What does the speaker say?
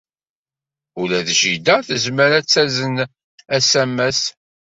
Ula d jida tezmer ad tazen asamas.